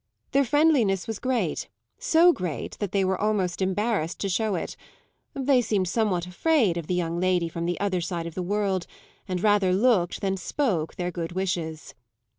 Their friendliness was great, so great that they were almost embarrassed to show it; they seemed somewhat afraid of the young lady from the other side of the world and rather looked than spoke their good wishes.